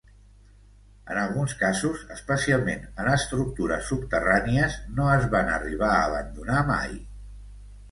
En alguns casos, especialment en estructures subterrànies, no es van arribar a abandonar mai.